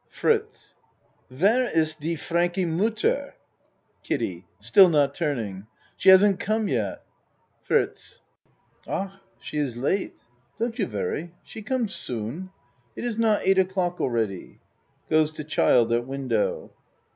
FRITZ Where is de Frankie mutter? KIDDIE (Still not turning.) She hasn't come yet. ACT I o FRITZ Ach ! She is late. Don't you worry. She come soon. It is not eight o'clock all ready. (Goes to child at window.)